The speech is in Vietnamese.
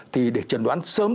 thì để chẩn đoán